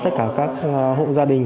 tất cả các hộ gia đình